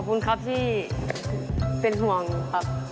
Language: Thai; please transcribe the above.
ขอบคุณครับที่เป็นห่วงครับ